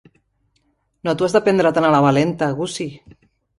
No t'ho has de prendre tan a la valenta, Gussie.